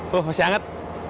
wah masih hangat